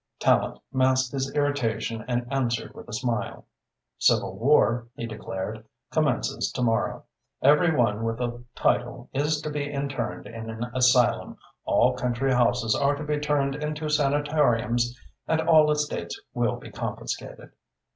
Tallente masked his irritation and answered with a smile. "Civil war," he declared, "commences to morrow. Every one with a title is to be interned in an asylum, all country houses are to be turned into sanatoriums and all estates will be confiscated."